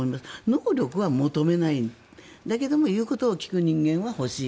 能力は求めないだけど言うことを聞く人間は欲しい。